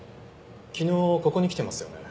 昨日ここに来てますよね？